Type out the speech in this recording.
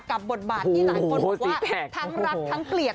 บทบาทที่หลายคนบอกว่าทั้งรักทั้งเกลียด